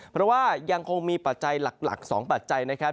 เพราะว่ายังคงมีปัจจัยหลัก๒ปัจจัยนะครับ